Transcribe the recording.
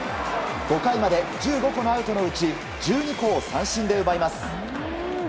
５回まで１５個のアウトのうち１２個を三振で奪います。